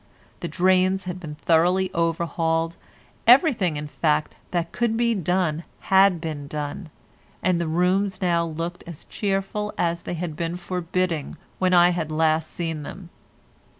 The drains had been thoroughly overhauled, everything in fact, that could be done had been done, and the rooms now looked as cheerful as they had been forbidding when I had last seen them.